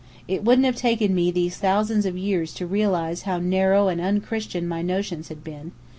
It wouldn't have taken me these thousands of years to realize how narrow and un christian my notions had been.